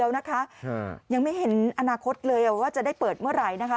แล้วนะคะยังไม่เห็นอนาคตเลยว่าจะได้เปิดเมื่อไหร่นะคะ